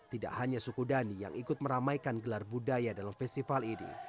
tidak hanya suku dhani yang ikut meramaikan gelar budaya dalam festival ini